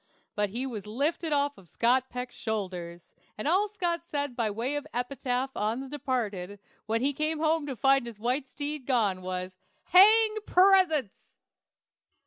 But he was lifted off Scott Peck's shoulders, and all Scott said by way of epitaph on the departed, when he came home to find his white steed gone, was, "Hang presents!"